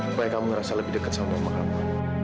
supaya kamu ngerasa lebih dekat sama mama kamu